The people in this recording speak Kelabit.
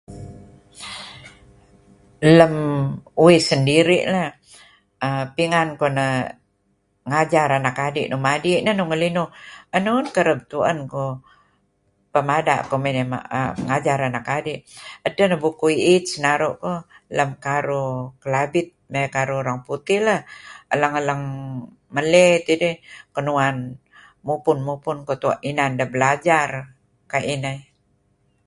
Lem uih sendiri' leh, aah pingan kuh neh ngajar anak adi' nuk madi', neh nuih ngelinuh enun kereb tu'en kuh pemada' kuh nengajar anak adi'. Edteh neh bukuh i'it senaru' kuh lem karuh Kelabit mey karuh orang putih lah. Elen-eleng meley tidih kenuan mupun-mupun[kuh] inan deh belajar, Kayu' ineh.